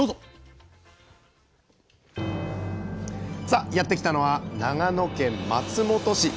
さあやって来たのは長野県松本市。